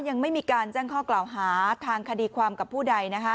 ยังไม่มีการแจ้งข้อกล่าวหาทางคดีความกับผู้ใดนะคะ